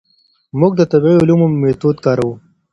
موږ د طبیعي علومو میتود کاروو.